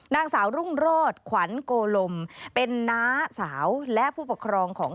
นางสาวรุ่งรอดขวัญโกลมเป็นน้าสาวและผู้ปกครองของ